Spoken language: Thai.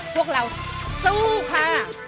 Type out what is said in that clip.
พวกเราสู้ค่ะ